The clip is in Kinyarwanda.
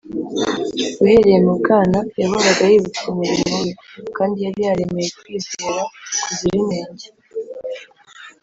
Uhereye mu bwana yahoraga yibutswa umurimo we, kandi yari yaremeye kwizera kuzira inenge